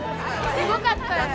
すごかったね。